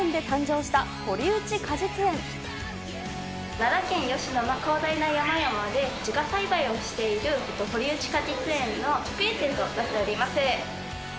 奈良県吉野の広大な山々で、自家栽培をしている堀内果実園の直営店となっております。